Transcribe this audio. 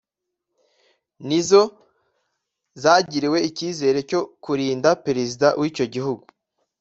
ni zo zagiriwe icyizere cyo kurinda Perezida w’icyo gihugu